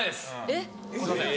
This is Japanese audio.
えっ。